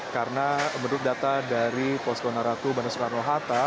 karena menurut data dari posko naratu bandara soekarno hatta